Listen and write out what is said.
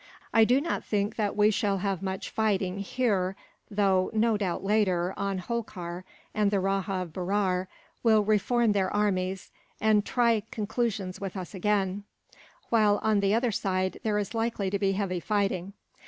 I do not think that we shall have much fighting here though, no doubt, later on, Holkar and the Rajah of Berar will reform their armies and try conclusions with us again; while, on the other side, there is likely to be heavy fighting.